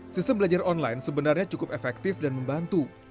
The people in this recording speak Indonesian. sistem belajar online sebenarnya cukup efektif dan membantu